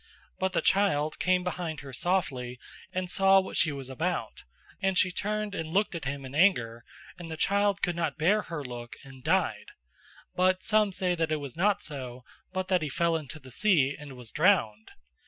But the child came behind her softly and saw what she was about, and she turned and looked at him in anger, and the child could not bear her look and died; but some say that it was not so, but that he fell into the sea and was drowned.